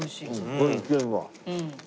これいけるわ。